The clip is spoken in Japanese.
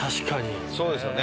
そうですよね。